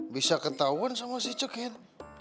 gak ketahuan sama si cekin